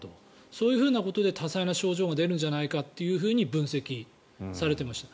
そういうことで多彩な症状が出るんじゃないかと分析されました。